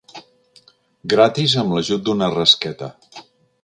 Gratis amb l'ajut d'una rasqueta.